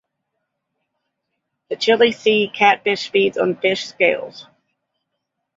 The chili sea catfish feeds on fish scales.